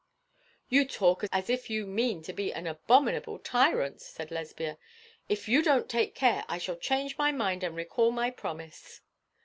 'You talk as if you mean to be an abominable tyrant,' said Lesbia. 'If you don't take care I shall change my mind, and recall my promise.'